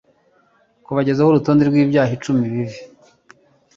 kubagezaho urutonde rw'ibyaha icumi bibi